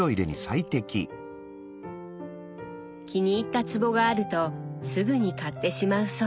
気に入った壺があるとすぐに買ってしまうそう。